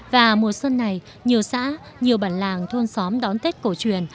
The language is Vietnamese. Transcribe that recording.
và mùa xuân này nhiều xã nhiều bản làng thôn xóm đón tết cổ truyền